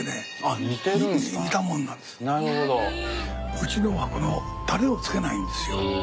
うちのはこのタレをつけないんですよ。